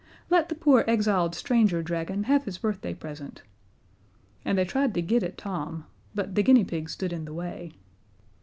Let the poor exiled stranger dragon have his birthday present." And they tried to get at Tom but the guinea pig stood in the way.